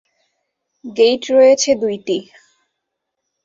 Gate রয়েছে দুইটি।